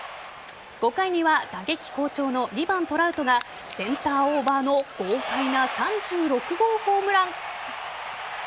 ５回には打撃好調の２番・トラウトがセンターオーバーの豪快な３６号ホームラン。